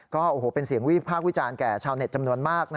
โอ้โหเป็นเสียงวิพากษ์วิจารณ์แก่ชาวเน็ตจำนวนมาก